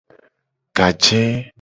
Gaje.